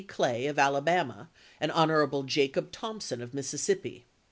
Clay of Alabama and Hon. Jacob Thompson of Mississippi."